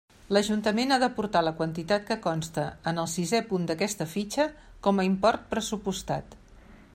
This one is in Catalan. L'Ajuntament ha d'aportar la quantitat que consta en el sisè punt d'aquesta fitxa com a import pressupostat.